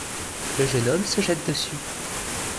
Le jeune homme se jette dessus.